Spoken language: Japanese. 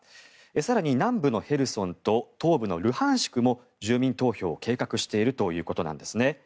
更に南部のヘルソンと東部のルハンシクも住民投票を計画しているということなんですね。